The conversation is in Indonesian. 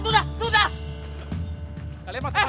sudah sudah sudah